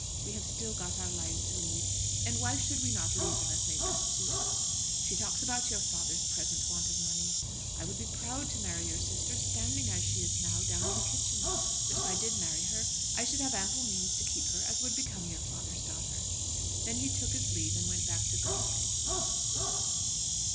We have still got our lives to lead. And why should we not lead them as may best suit us? She talks about your father's present want of money. I would be proud to marry your sister standing as she is now down in the kitchen. But if I did marry her I should have ample means to keep her as would become your father's daughter." Then he took his leave and went back to Galway.